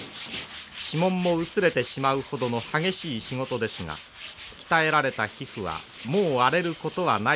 指紋も薄れてしまうほどの激しい仕事ですが鍛えられた皮膚はもう荒れることはないといいます。